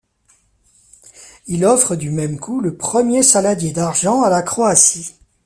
Il offre du même coup le premier Saladier d'argent à la Croatie.